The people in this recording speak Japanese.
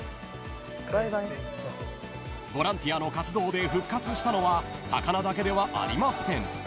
［ボランティアの活動で復活したのは魚だけではありません］